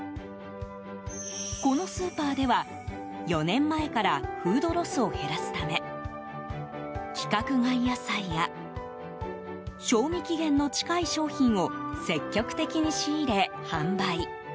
このスーパーでは、４年前からフードロスを減らすため規格外野菜や賞味期限の近い商品を積極的に仕入れ、販売。